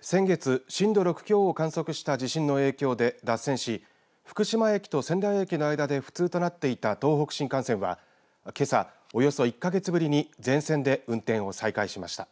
先月、震度６強を観測した地震の影響で脱線し、福島駅と仙台駅の間で不通となっていた東北新幹線は、けさ１か月ぶりに全線で運転を再開しました。